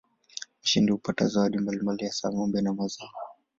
Mshindi hupata zawadi mbalimbali hasa ng'ombe na mazao.